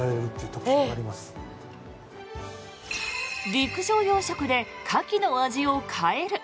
陸上養殖でカキの味を変える。